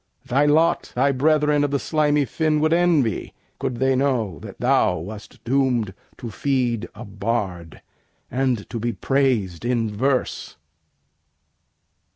Thy lot thy brethern of the slimy fin Would envy, could they know that thou wast doom'd To feed a bard, and to be prais'd in verse.